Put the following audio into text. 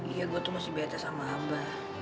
iya gue tuh masih betes sama abah